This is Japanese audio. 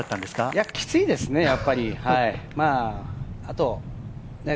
いや、きついですねやっぱりね。